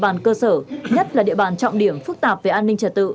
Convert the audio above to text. bàn cơ sở nhất là địa bàn trọng điểm phức tạp về an ninh trật tự